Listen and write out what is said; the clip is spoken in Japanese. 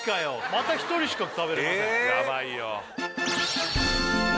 また１人しか食べれません